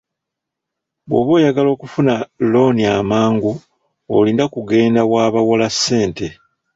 Bw'oba oyagala okufuna looni amagu olina kugenda w'abawola ssente.